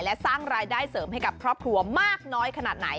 และสร้างรายได้เสริมให้กับครอบครัวมากน้อยขนาดไหน